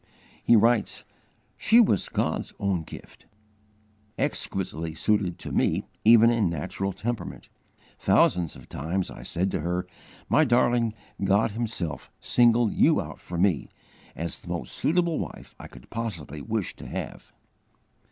He writes: "She was God's own gift, exquisitely suited to me even in natural temperament. Thousands of times I said to her, 'My darling, God Himself singled you out for me, as the most suitable wife I could possibly wish to have had.'"